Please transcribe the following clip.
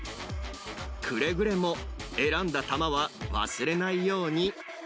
くれぐれも選んだ球は忘れないように。